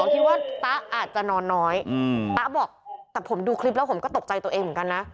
คิดว่าต๊ะอาจจะนอนน้อยตะบอกแต่ผมดูคลิปแล้วผมก็ตกใจตัวเองเหมือนกันนะ